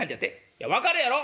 「いや分かるやろ？